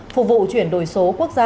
phục vụ chuyển đổi số quốc gia